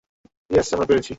Yes, আমরা পেরেছি।